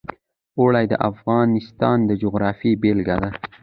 اوړي د افغانستان د جغرافیې بېلګه ده.